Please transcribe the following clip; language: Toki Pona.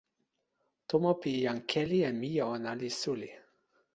tomo pi jan Keli en mije ona li suli.